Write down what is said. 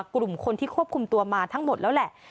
กลุ่มคนที่ควบคุมตัวมาทั้งหมดแล้วแหละ